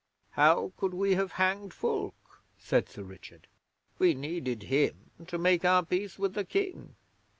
'How could we have hanged Fulke?' said Sir Richard. 'We needed him to make our peace with the King.